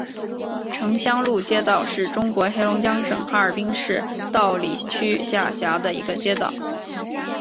城乡路街道是中国黑龙江省哈尔滨市道里区下辖的一个街道。